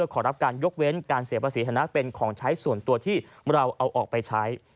ขอรับการยกเว้นการเสียภาษีฐานะเป็นของใช้ส่วนตัวที่เราเอาออกไปใช้